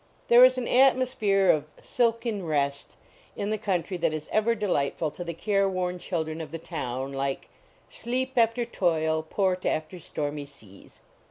There is an atmosphere of "silken rest" in the country that is ever delightful to the care worn children of the town, like "sleep after toyle, port after stormie seas."